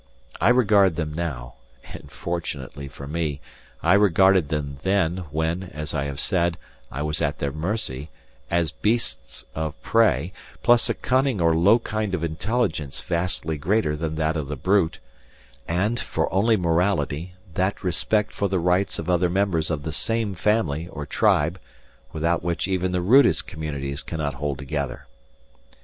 I regard them now, and, fortunately for me, I regarded them then, when, as I have said, I was at their mercy, as beasts of prey, plus a cunning or low kind of intelligence vastly greater than that of the brute; and, for only morality, that respect for the rights of other members of the same family, or tribe, without which even the rudest communities cannot hold together.